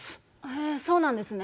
へえそうなんですね。